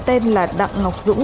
tên là đặng ngọc dũng